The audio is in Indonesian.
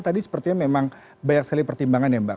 tadi sepertinya memang banyak sekali pertimbangan ya mbak